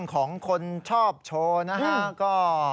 ของคนชอบโชว์นะฮะ